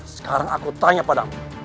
sekarang aku tanya padamu